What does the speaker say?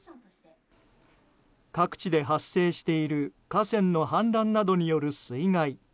各地で発生している河川の氾濫などによる水害。